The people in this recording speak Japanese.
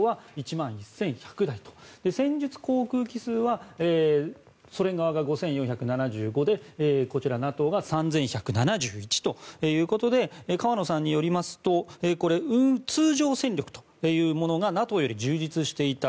戦術航空機数はソ連側が５４７５でこちらＮＡＴＯが３１７１ということで河野さんによりますと通常戦力というものがＮＡＴＯより充実していた。